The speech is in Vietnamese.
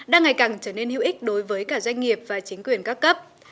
đang ngày càng trở nên hữu ích đối với cả doanh nghiệp và chính quyền các cấp